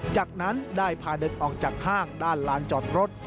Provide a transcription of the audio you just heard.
จากนั้นได้พาเดินออกจากห้างด้านลานจอดรถ